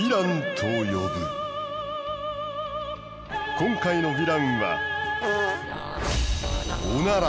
今回のヴィランは。